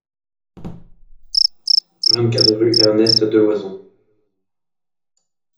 vingt-quatre rue Ernest Deloison